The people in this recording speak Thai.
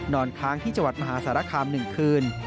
นอนค้างที่จังหวัดมหาสารคาม๑คืน